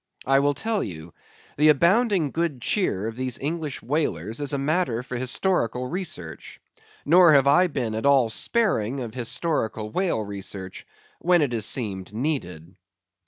I will tell you. The abounding good cheer of these English whalers is matter for historical research. Nor have I been at all sparing of historical whale research, when it has seemed needed.